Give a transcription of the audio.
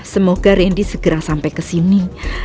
semoga randy segera sampai ke sini